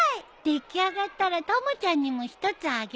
出来上がったらたまちゃんにも１つあげるよ。